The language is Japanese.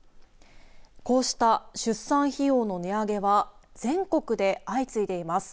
こうした出産費用の値上げは全国で相次いでいます。